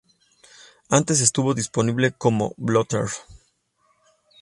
Antes estuvo disponible como bootleg.